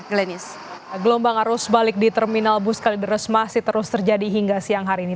gelenis gelombang arus balik di terminal bus kalideres masih terus terjadi hingga siang hari ini